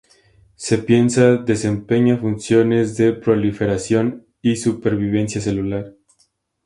Se piensa desempeña funciones de proliferación y supervivencia celular.